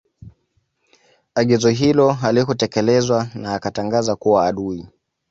Agizo hilo halikutekelezwa na Akatangazwa kuwa adui